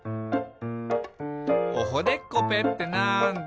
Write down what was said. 「おほでっこぺってなんだ？」